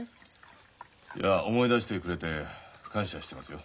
いや思い出してくれて感謝してますよ。